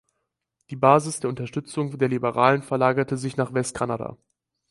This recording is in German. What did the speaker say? Die Basis der Unterstützung der Liberalen verlagerte sich nach Westkanada.